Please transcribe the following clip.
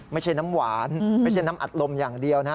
ไม่ใช่น้ำหวานไม่ใช่น้ำอัดลมอย่างเดียวนะ